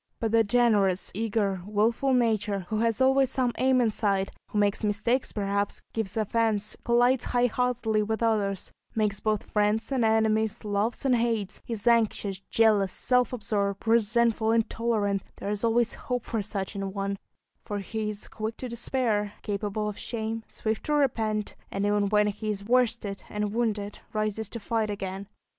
But the generous, eager, wilful nature, who has always some aim in sight, who makes mistakes perhaps, gives offence, collides high heartedly with others, makes both friends and enemies, loves and hates, is anxious, jealous, self absorbed, resentful, intolerant there is always hope for such an one, for he is quick to despair, capable of shame, swift to repent, and even when he is worsted and wounded, rises to fight again.